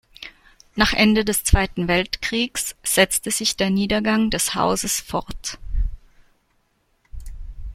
Nach Ende des Zweiten Weltkriegs setzte sich der Niedergang des Hauses fort.